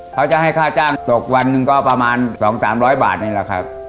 เขาจะให้ค่าจ้างตกวันหนึ่งก็ประมาณ๒๓๐๐บาทนี่แหละครับ